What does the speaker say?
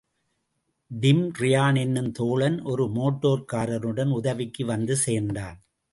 Dim Ryan என்னும் தோழன் ஒரு மோட்டார்காருடன் உதவிக்கு வந்து சேர்ந்தான்.